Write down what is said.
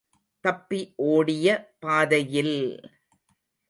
தப்பி ஓடிய பாதையில்!